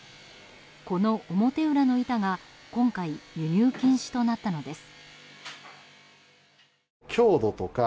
この表裏の板が今回、輸入禁止となったのです。